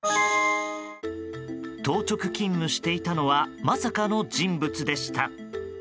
当直勤務していたのはまさかの人物でした。